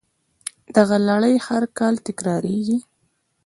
دغه لړۍ هر کال تکراریږي